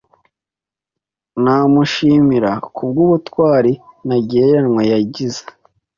Namushimira ku bw’ubutwari ntagereranywa yagize